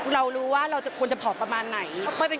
เรารู้ว่าเราควรจะผอมประมาณไหน